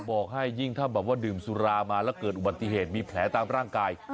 บอกให้ยิ่งถ้าแบบว่าดื่มสุรามาแล้วเกิดอุบัติเหตุมีแผลตามร่างกาย